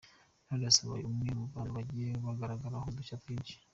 Knowless yabaye umwe mu bantu bagiye bagaragaraho udushya twinshi.